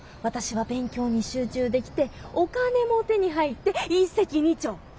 私は勉強に集中できてお金も手に入って一石二鳥。